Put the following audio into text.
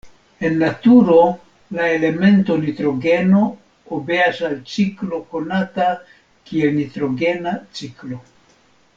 En naturo, la elemento nitrogeno obeas al ciklo konata kiel nitrogena ciklo.